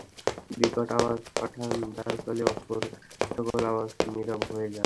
বিকট আওয়াজ পাঠান যার ফলে অপর সকল আওয়াজ নীরব হয়ে যায়।